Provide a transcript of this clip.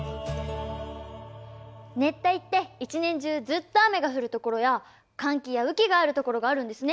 熱帯って一年中ずっと雨が降るところや乾季や雨季があるところがあるんですね。